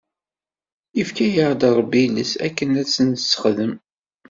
Yefka-aɣ-d Rebbi iles akken ad t-nessexdem.